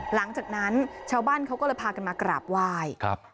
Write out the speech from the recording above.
หลังจากนั้นชาวบ้านเขาก็เลยพากันมากราบไหว้ครับ